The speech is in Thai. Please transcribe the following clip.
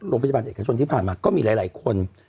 โรงพยาบาลเอกชนที่ผ่านมาก็มีหลายคน